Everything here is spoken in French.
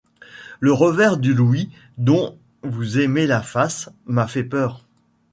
Le revers du louis dont vous aimez la face, M’a fait peur.